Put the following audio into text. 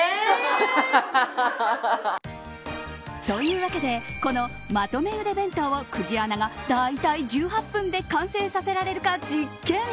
というわけでこの、まとめ茹で弁当を久慈アナが、だいたい１８分で完成させられるか実験。